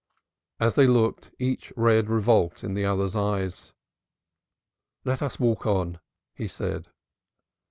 As they looked each read revolt in the other's eyes. "Let us walk on," he said.